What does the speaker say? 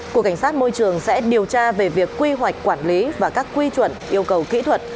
cục cảnh sát môi trường sẽ điều tra về việc quy hoạch quản lý và các quy chuẩn yêu cầu kỹ thuật